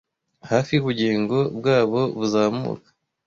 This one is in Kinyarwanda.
hafi yubugingo bwabo buzamuka